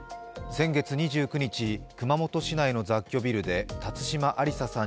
先月２９日熊本市内の雑居ビルで辰島ありささん